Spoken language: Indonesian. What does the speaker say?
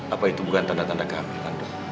apa itu bukan tanda tanda kehamilan dong